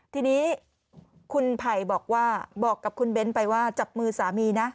ทีนี้คุณไผ่บอกว่าบอกกับคุณเบ้นไปว่าจับมือสามีนะ